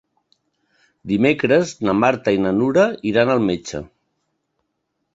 Dimecres na Marta i na Nura iran al metge.